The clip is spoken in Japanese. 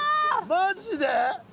マジで？